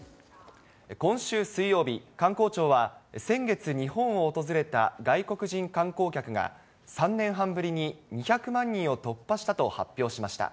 今週水曜日、観光庁は、先月、日本を訪れた外国人観光客が、３年半ぶりに２００万人を突破したと発表しました。